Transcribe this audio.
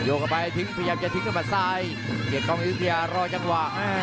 โยกกลับไปทิ้งพยายามจะทิ้งเข้ามาซ้ายเกร็ดกล้องยุธยารอจังหวะ